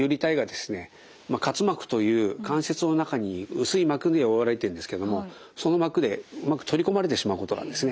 滑膜という関節の中に薄い膜に覆われているんですけどもその膜でうまく取り込まれてしまうことがあるんですね。